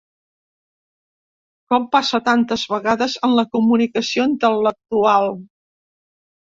Com passa tantes vegades en la comunicació intel·lectual